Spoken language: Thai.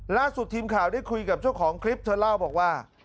ล่าสุดทีมข่าวได้คุยกับเจ้าของคลิปเธอเล่าบอกว่า